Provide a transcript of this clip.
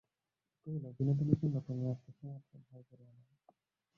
কহিল, বিনোদিনীর জন্য তুমি আর কিছুমাত্র ভয় করিয়ো না, মা।